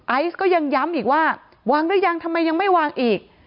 ไอซ์ก็ยังย้ำอีกว่าวางหรือยังทำไมยังไม่วางอีก